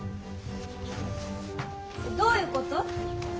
どういうこと？